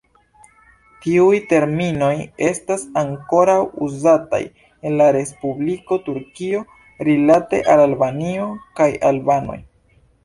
Tiuj terminoj estas ankoraŭ uzataj en la Respubliko Turkio rilate al Albanio kaj albanoj.